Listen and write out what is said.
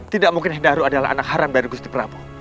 tidak mungkin hendaru adalah anak haram baru gusti prabu